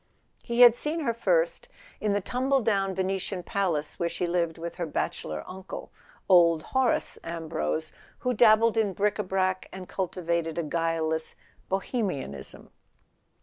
He had seen her first in the tumble down Venetian palace where she lived with her bachelor uncle, old Horace Ambrose, who dabbled in bric a brac and cul¬ tivated a guileless Bohemianism.